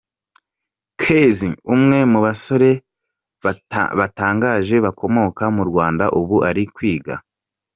Kezi, umwe mu basore batangaje bakomoka mu Rwanda ubu ari kwiga Ph.